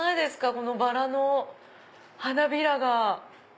このバラの花びらが。